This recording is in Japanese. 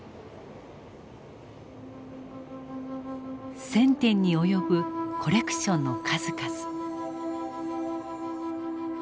１，０００点に及ぶコレクションの数々。